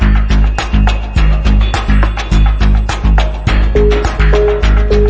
วิ่งเร็วมากครับ